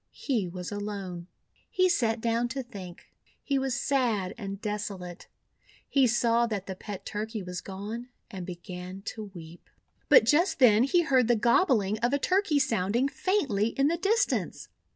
He was alone. He sat down to think. He was sad and desolate. He saw that the pet Turkey was gone and began to weep. But just then he heard the gobbling of a Turkey sounding faintly in the distance.